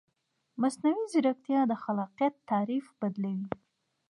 مصنوعي ځیرکتیا د خلاقیت تعریف بدلوي.